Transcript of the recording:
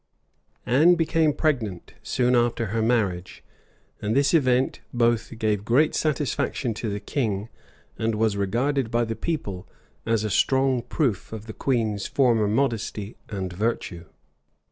Anne became pregnant soon after her marriage, and this event both gave great satisfaction to the king, and was regarded by the people as a strong proof of the queen's former modesty and virtue.